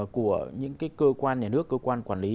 của những cái cơ quan nhà nước cơ quan quản lý